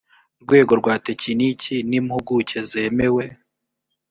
rwego rwa tekiniki n impuguke zemewe